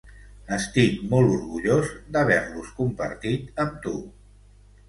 Estic molt orgullós d'haver-los compartit amb tu...